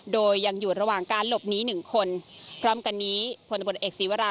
โดยยังอยู่ระหว่างการหลบหนีหนึ่งคนพร้อมกันนี้พลตำรวจเอกศีวรา